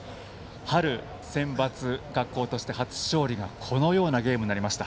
春センバツ、学校として初勝利がこのようなゲームになりました。